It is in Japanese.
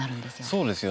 そうですよね。